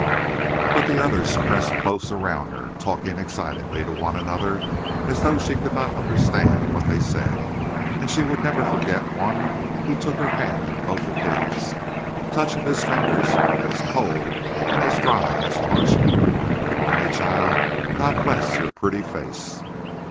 But the others pressed close around her, talking excitedly to one another, as though she could not understand what they said. And she would never forget one who took her hand in both of his. The touch of his fingers was cold and as dry as parchment. "Honey child, God bless your pretty face."